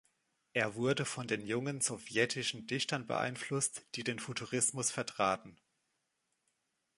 Er wurde von den jungen sowjetischen Dichtern beeinflusst, die den Futurismus vertraten.